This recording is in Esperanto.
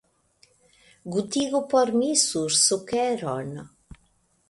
Gutigu por mi sur sukeron!